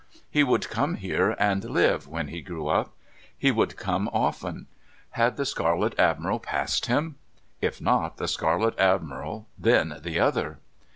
He would come there and live when he grew up. He would come often. Had the Scarlet Admiral passed him? If not the Scarlet Admiral, then the other.